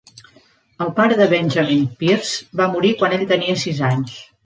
El pare de Benjamin Pierce va morir quan ell tenia sis anys.